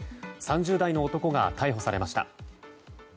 ３０代の男が逮捕されました。